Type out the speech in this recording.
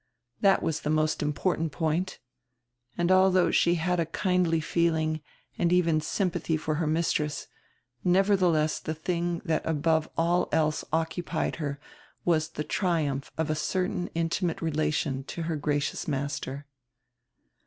That was die most important point And aldiough she had a kindly feeling and even sympadiy for her mistress, neverdieless die thing diat above all else occupied her was die triumph of a certain intimate relation to her gracious master.